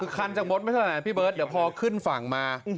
คือคันจากมดไม่ใช่ไหมพี่เบิร์ดเดี๋ยวพอขึ้นฝั่งมา